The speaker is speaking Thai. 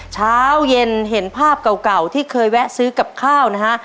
เช้าเย็นเห็นภาพเก่าที่เคยแวะซื้อกับข้าวนะฮะ